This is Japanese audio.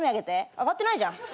あがってないじゃん。